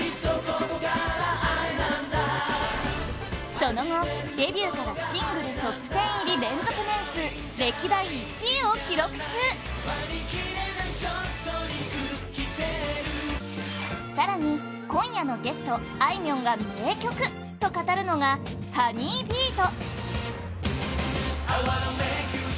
その後、デビューからシングルトップ１０入り連続年数歴代１位を記録中更に、今夜のゲストあいみょんが名曲と語るのが「ＨＯＮＥＹＢＥＡＴ」